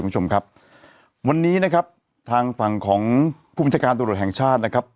คุณผู้ชมครับวันนี้นะครับทางฝั่งของผู้บัญชาการตำรวจแห่งชาตินะครับ